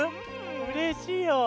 うれしいよ。